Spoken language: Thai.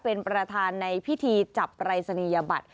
เป็นประธานในพิธีจับปรายศนียบัตร